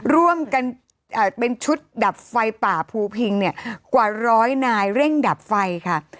ร่วมกันเป็นชุดดับไฟป่าภูพิงเนี่ยกว่าร้อยนายเร่งดับไฟค่ะ